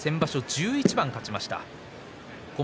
１１番勝ちました。